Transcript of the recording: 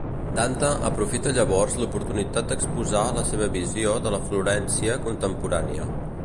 Dante aprofita llavors l'oportunitat d'exposar la seva visió de la Florència contemporània.